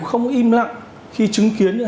không im lặng khi chứng kiến những